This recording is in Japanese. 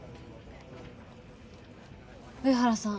上原さん